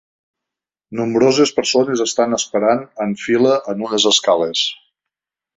Nombroses persones estan esperant en fila en unes escales.